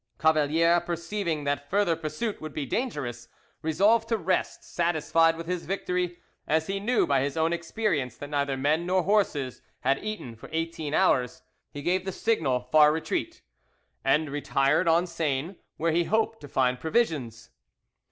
Cavalier perceiving that further pursuit would be dangerous, resolved to rest satisfied with his victory; as he knew by his own experience that neither men nor horses had eaten for eighteen hours, he gave the signal far retreat, and retired on Seyne, where he hoped to find provisions.